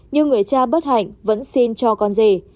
nhưng người cha bất hạnh vẫn xin cho con gì